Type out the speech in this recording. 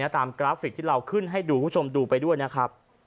กราฟิกที่เราขึ้นให้ดูคุณผู้ชมดูไปด้วยนะครับ